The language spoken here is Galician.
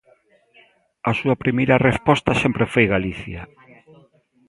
A súa primeira resposta sempre foi Galicia.